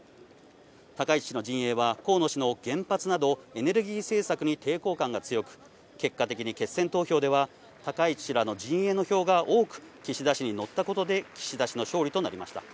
高市氏の陣営は、河野氏の原発などエネルギー政策に抵抗感が強く、結果的に決選投票では高市氏らの陣営の票が多く岸田氏に乗ったことで、岸田氏の勝利となりました。